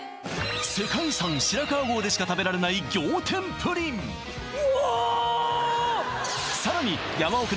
世界遺産白川郷でしか食べられない仰天プリンうお！